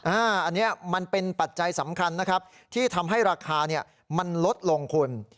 อันนี้มันเป็นปัจจัยสำคัญนะครับที่ทำให้ราคามันลดลงคุณ